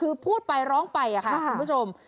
คือพูดไปร้องไปค่ะคุณผู้ชม